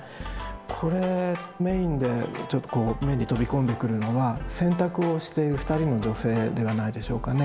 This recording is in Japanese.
これメインで目に飛び込んでくるのは洗濯をしている２人の女性ではないでしょうかね。